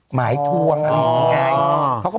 หมายทะว่างอะไรอย่างงั้นเขาก็บอกปกติ